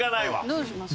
どうしますか？